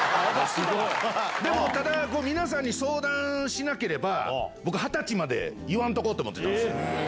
でも、ただ皆さんに相談しなければ、僕、２０歳まで言わんとこうと思ってたんです。